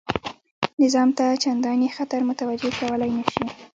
نظام ته چنداني خطر متوجه کولای نه شي.